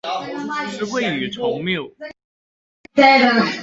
是未雨綢繆